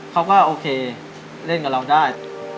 เขาก็โอเคเล่นกับเราได้